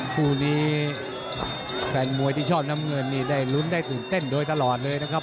คู่นี้แฟนมวยที่ชอบน้ำเงินนี่ได้ลุ้นได้ตื่นเต้นโดยตลอดเลยนะครับ